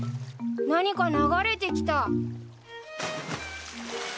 何か流れてきた。